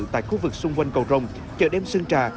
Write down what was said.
tại khu vực xung quanh cầu rồng chợ đêm sơn trà